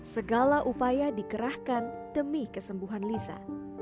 segala upaya dikerahkan demi kesembuhan lisa